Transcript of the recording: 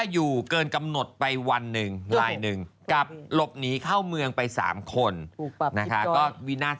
คือไม่ได้ว่าทำเล่นนะ